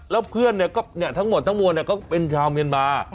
แล้วเพื่อนเนี่ยก็เนี่ยทั้งหมดทั้งหมดเนี่ยก็เป็นชาวเมียนมา